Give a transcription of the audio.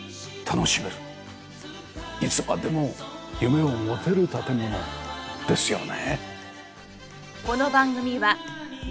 いつまでも夢を持てる建物ですよね。